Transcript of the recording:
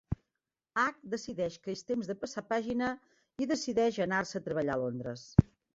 Hac decideix que és temps de passar pàgina i decideix anar-se a treballar a Londres.